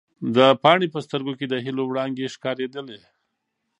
د پاڼې په سترګو کې د هیلو وړانګې ښکارېدې.